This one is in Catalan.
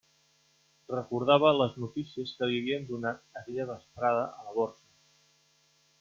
Recordava les notícies que li havien donat aquella vesprada a la Borsa.